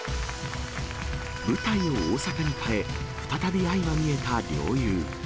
舞台を大阪に変え、再び相まみえた両雄。